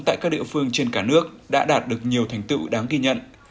tại các địa phương trên cả nước đã đạt được nhiều thành tựu đáng ghi nhận